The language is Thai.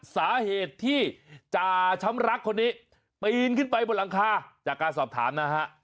สาเหตุที่จ่าช้ำรักคนนี้ปีนขึ้นไปบนหลังคาจากการสอบถามนะฮะ